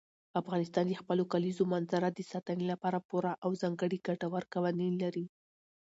افغانستان د خپلو کلیزو منظره د ساتنې لپاره پوره او ځانګړي ګټور قوانین لري.